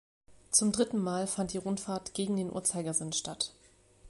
Zum dritten Mal fand die Rundfahrt gegen den Uhrzeigersinn statt.